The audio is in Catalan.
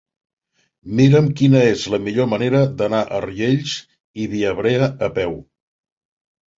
Mira'm quina és la millor manera d'anar a Riells i Viabrea a peu.